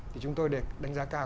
thì chúng tôi đánh giá cao